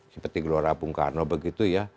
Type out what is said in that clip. seperti gelora bung karno begitu ya